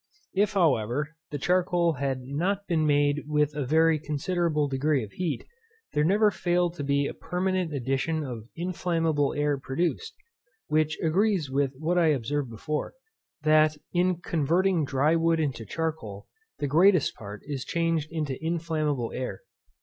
If, however, the charcoal had not been made with a very considerable degree of heat, there never failed to be a permanent addition of inflammable air produced; which agrees with what I observed before, that, in converting dry wood into charcoal, the greatest part is changed into inflammable air.